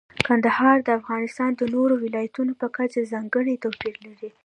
کندهار د افغانستان د نورو ولایاتو په کچه ځانګړی توپیر لري.